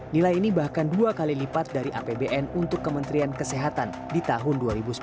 nilai ini bahkan dua kali lipat dari apbn untuk kementerian kesehatan di tahun dua ribu sembilan belas